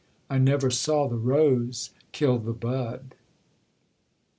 I never saw the rose kill the bud!'